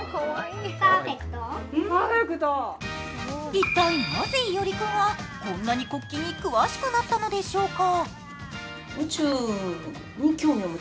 一体なぜ、伊織君はこんなに国旗に詳しくなったのでしょうか？